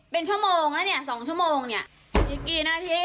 เป็นชั่วโมงแล้วเนี่ย๒ชั่วโมงเนี่ยอีกกี่นาที